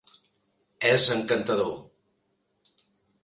És encantador.